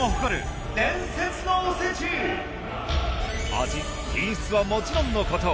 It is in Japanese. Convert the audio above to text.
味品質はもちろんのこと